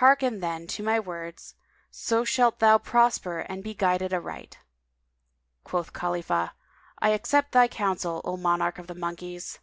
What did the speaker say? Hearken then to my words; so shalt thou prosper and be guided aright." Quoth Khalifah, "I accept thy counsel, O monarch of all the monkeys!